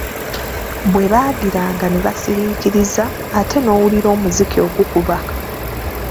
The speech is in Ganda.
Bwe baagiranga ne basiriikiriza, ate ng'owulira omuziki ogukuba.